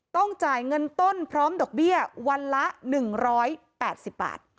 ต้องจ่ายเงินต้นพร้อมดอกเบี้ยวันละ๑๘๐บาท